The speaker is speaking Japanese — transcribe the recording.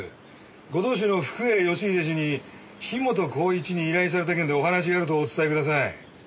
ご当主の福栄義英氏に樋本晃一に依頼された件でお話があるとお伝えください。